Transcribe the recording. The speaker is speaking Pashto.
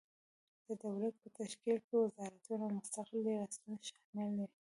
د دولت په تشکیل کې وزارتونه او مستقل ریاستونه شامل دي.